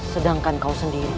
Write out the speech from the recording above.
sedangkan kau sendiri